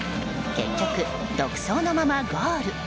結局、独走のままゴール。